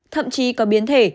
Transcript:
thậm chí có biến thể